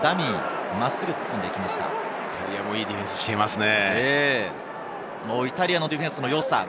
イタリアもいいディフェンスをしていますね。